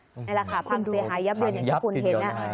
นี่แหละค่ะพังเสียหายยับเยินอย่างที่คุณเห็น